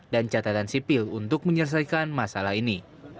dan catatan sipil untuk menyelesaikan masalah ini